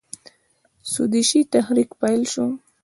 سودیشي تحریک پیل شو.